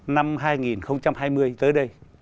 năm hai nghìn hai mươi tới đây